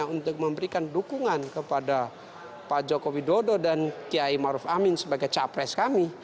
untuk memberikan dukungan kepada pak jokowi dodo dan kiai ma'ruf amin sebagai capres kami